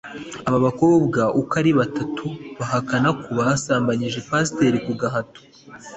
Aba bakobwa uko ari batatu bahakana ko basambanyije Pasiteri ku gahato